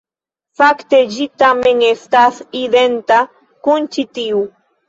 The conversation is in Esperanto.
Fakte ĝi tamen estas identa kun ĉi tiu.